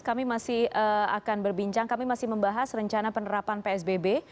kami masih akan berbincang kami masih membahas rencana penerapan psbb